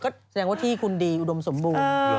ก็แสดงว่าที่คุณดีอุดมสมบูรณ์